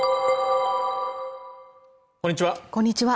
こんにちは